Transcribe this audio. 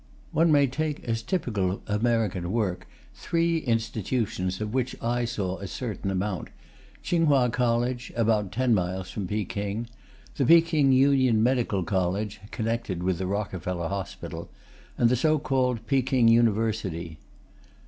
One may take as typical of American work three institutions of which I saw a certain amount: Tsing Hua College (about ten miles from Peking), the Peking Union Medical College (connected with the Rockefeller Hospital), and the so called Peking University.